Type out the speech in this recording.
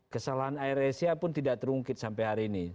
kesalahan air asia pun tidak terungkit sampai hari ini